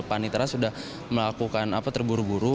panitera sudah melakukan apa terburu buru